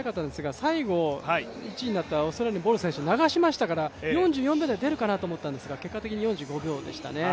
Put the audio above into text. ど最後、１位になったボル選手は流しましたから、４４秒台出るかなと思ったんですけど結果的に４５秒でしたね。